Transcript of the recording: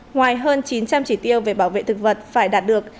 ngoài hơn chín trăm linh chỉ tiêu về bảo vệ thực vật phải đạt được